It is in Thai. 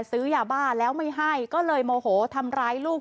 ซื้อยาบ้าแล้วไม่ให้ก็เลยโมโหทำร้ายลูก